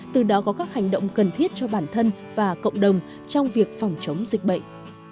từ đó có các hành động cần thiết cho bản thân và cộng đồng trong việc phòng chống dịch bệnh